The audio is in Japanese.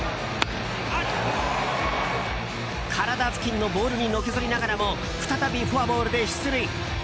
体付近のボールにのけ反りながらも再びフォアボールで出塁。